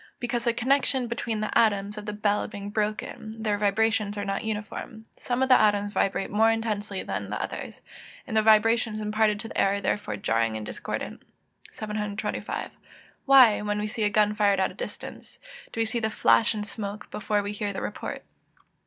_ Because the connection between the atoms of the bell being broken, their vibrations are not uniform: some of the atoms vibrate more intensely than the others; the vibrations imparted to the air are therefore jarring and discordant. 725. _Why, when we see a gun fired at a distance, do we see the flash and smoke, before we hear the report?